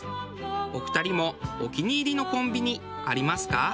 お二人もお気に入りのコンビニありますか？